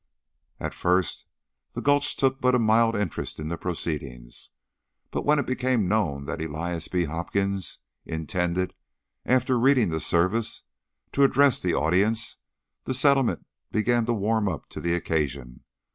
At first the Gulch took but a mild interest in the proceedings, but when it became known that Elias B. Hopkins intended, after reading the service, to address the audience, the settlement began to warm up to the occasion.